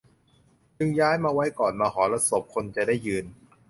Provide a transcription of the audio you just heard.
จึงย้ายมาไว้ก่อนมหรสพ คนจะได้ยืน